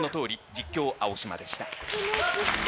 実況・青嶋でした。